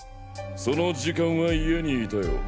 その時間は家にいたよ。